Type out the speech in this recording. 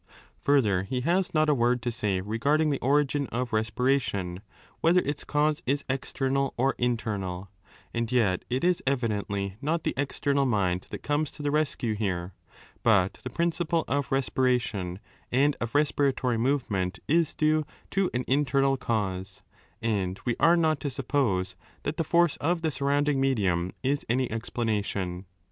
Further, he has not a word to say regarding the origin of respiration, whether its cause is external or internal And yet it is evidently not the external mind that comes to the rescue here, but the principle of respiration and of respiratory movement is due to an internal cause, and we are not to suppose that the force of the surrounding medium is any explanation.